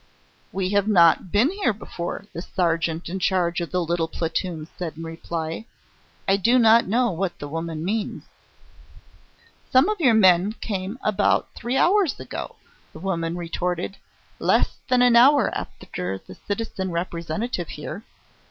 "We have not been here before," the sergeant in charge of the little platoon said in reply. "I do not know what the woman means." "Some of your men came about three hours ago," the woman retorted; "less than an hour after the citizen Representative was here.